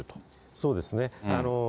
そうですね。